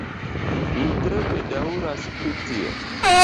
Mi tre bedaŭras pri tio.